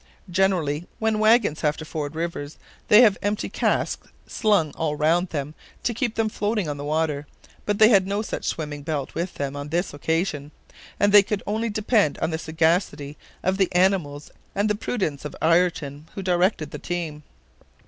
Generally, when wagons have to ford rivers, they have empty casks slung all round them, to keep them floating on the water; but they had no such swimming belt with them on this occasion, and they could only depend on the sagacity of the animals and the prudence of Ayrton, who directed the team.